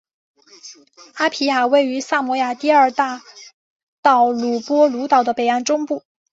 阿皮亚位于萨摩亚第二大岛乌波卢岛的北岸中部。